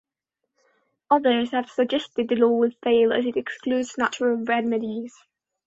Others have suggested the law will fail as it excludes natural remedies.